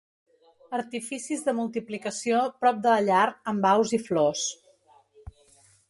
Artificis de multiplicació prop de la llar amb aus i flors.